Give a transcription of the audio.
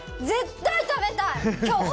絶対食べたい！